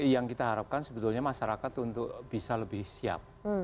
yang kita harapkan sebetulnya masyarakat untuk bisa lebih siap